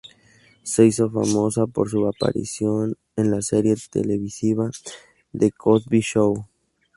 Se hizo famosa por su aparición en la serie televisiva "The Cosby Show".